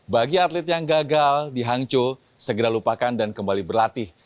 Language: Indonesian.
bagi atlet yang gagal di hangzhou segera lupakan dan kembali berlatih